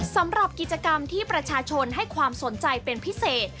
สำหรับกิจกรรมที่ประชาชนให้ความสนใจเป็นพิเศษ